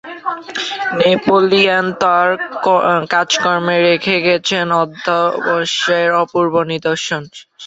Napoleon তার কাজকর্মে রেখে গেছেন অধ্যবসায়ের অপূর্ব নিদর্শন।